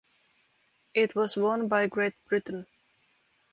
It was won by Great Britain.